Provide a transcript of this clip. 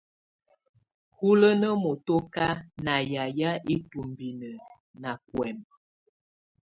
Hulənə mɔtɔka na yayɛ itumbinə na kwɛmɛ.